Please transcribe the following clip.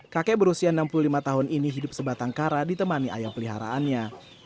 kakek berusia enam puluh lima tahun ini hidup sebatang kara ditemani ayam peliharaannya